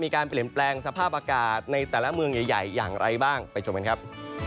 มีการเปลี่ยนแปลงสภาพอากาศในแต่ละเมืองใหญ่อย่างไรบ้างไปชมกันครับ